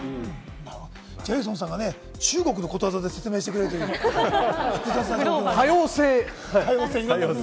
ジェイソンさんが中国のことわざで説明してくれるというね、複雑な感じです。